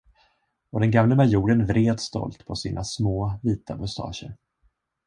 Och den gamle majoren vred stolt på sina små vita mustascher.